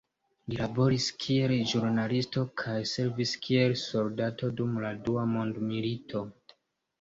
Li laboris kiel ĵurnalisto kaj servis kiel soldato dum la Dua mondmilito.